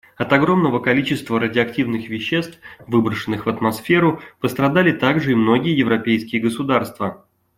От огромного количества радиоактивных веществ, выброшенных в атмосферу, пострадали также и многие европейские государства.